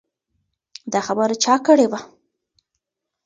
دا خبره چا کړې وه؟